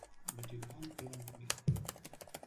But you can’t prevent me.